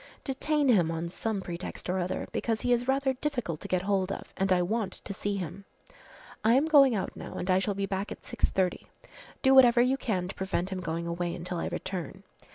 Detain him on some pretext or other because he is rather difficult to get hold of and I want to see him. I am going out now and I shall be back at 6.30. Do whatever you can to prevent him going away until I return.